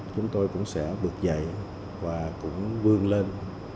chúng tôi cũng sẽ bước dậy và cũng vươn lên